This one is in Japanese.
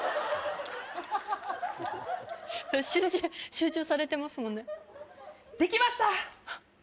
集中集中されてますもんねできました！